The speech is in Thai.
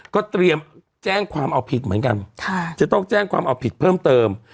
ก็เตรียมแจ้งความเอาผิดเหมือนกันจะต้องแจ้งความเอาผิดเพิ่มเติม